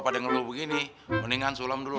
pada ngeluh begini mendingan sulam dulu